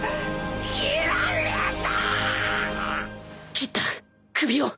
斬った首を！